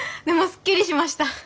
でもすっきりしました。